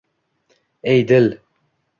Ey dil